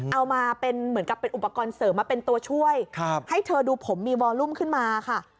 เอามาเป็นเหมือนกับเป็นอุปกรณ์เสริมมาเป็นตัวช่วยให้เธอดูผมมีวอลุ่มขึ้นมาค่ะ